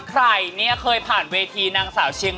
วันที่เธอพบมันในหัวใจฉัน